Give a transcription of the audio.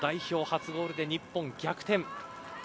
初ゴールで日本逆転。